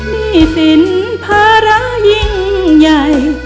นี่สินภาระยิ่งอย่างไกล